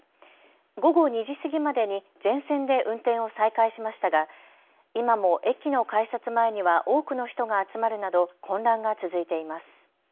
午後２時過ぎまでに全線で運転を再開しましたが今も駅の改札前には多くの人が集まるなど混乱が続いています。